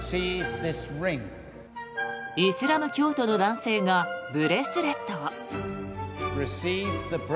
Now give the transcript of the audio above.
イスラム教徒の男性がブレスレットを。